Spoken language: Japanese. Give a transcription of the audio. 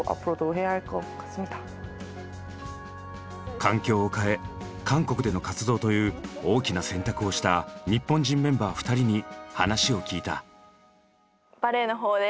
環境を変え韓国での活動という大きな選択をした日本人メンバー２人に話を聞いた。